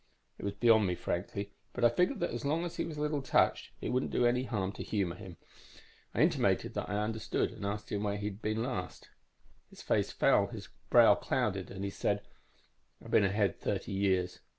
"It was beyond me, frankly, but I figured that as long as he was a little touched, it wouldn't do any harm to humor him. I intimated that I understood and asked him where he'd been last. "His face fell, his brow clouded, and he said, 'I've been ahead thirty years.'